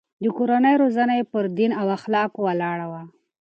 د کورنۍ روزنه يې پر دين او اخلاقو ولاړه وه.